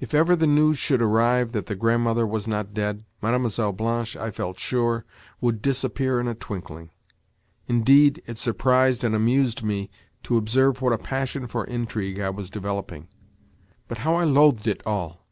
If ever the news should arrive that the grandmother was not dead, Mlle. Blanche, I felt sure, would disappear in a twinkling. Indeed, it surprised and amused me to observe what a passion for intrigue I was developing. But how I loathed it all!